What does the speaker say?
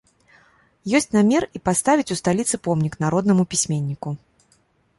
Ёсць намер і паставіць у сталіцы помнік народнаму пісьменніку.